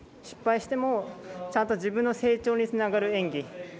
失敗してもちゃんと自分の成長につながる演技。